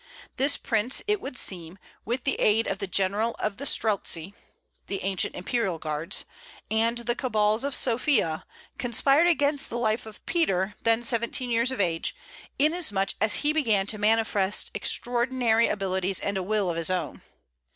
This prince, it would seem, with the aid of the general of the Streltzi (the ancient imperial guards) and the cabals of Sophia, conspired against the life of Peter, then seventeen years of age, inasmuch as he began to manifest extraordinary abilities and a will of his own.